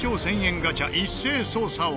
ガチャ一斉捜査は。